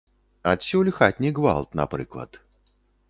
Адсюль хатні гвалт, напрыклад.